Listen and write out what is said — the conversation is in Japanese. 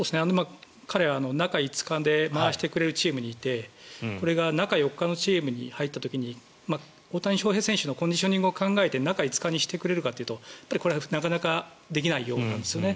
彼は中５日で回してくれるチームにいてこれが中４日のチームに入った時に大谷翔平選手のコンディショニングを考えて中５日にしてくれるかというとなかなかできないことですよね。